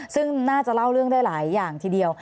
ซึ่งน่าจะเล่าเรื่องได้หลายอย่างทีเดียว